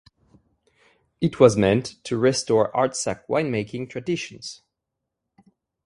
It was meant to restore Artsakh winemaking traditions.